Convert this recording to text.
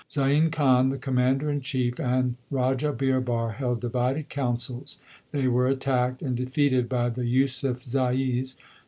Zain Khan the Commander in Chief and Raja Birbar held divided councils. They were attacked and defeated by the Yusufzais.